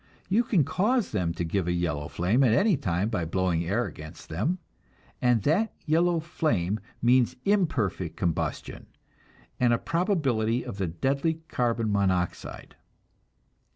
You can cause them to give a yellow flame at any time by blowing air against them, and that yellow flame means imperfect combustion, and a probability of the deadly carbon monoxide.